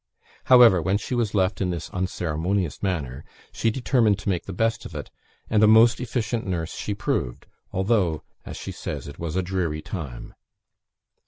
However, when she was left in this unceremonious manner, she determined to make the best of it; and a most efficient nurse she proved: although, as she says, it was a dreary time.